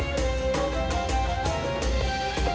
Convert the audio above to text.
wassalamualaikum warahmatullahi wabarakatuh